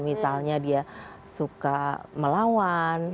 misalnya dia suka melawan